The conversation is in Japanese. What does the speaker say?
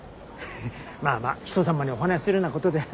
まあまあ人様にお話しするようなことでは。